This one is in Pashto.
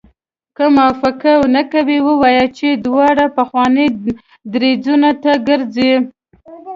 که موافقه نه کوي ووایي چې دواړه پخوانیو دریځونو ته ګرځي.